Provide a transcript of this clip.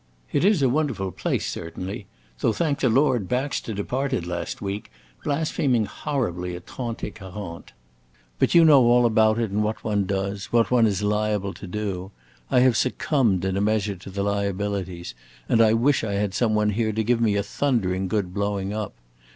It is a wonderful place, certainly, though, thank the Lord, Baxter departed last week, blaspheming horribly at trente et quarante. But you know all about it and what one does what one is liable to do. I have succumbed, in a measure, to the liabilities, and I wish I had some one here to give me a thundering good blowing up.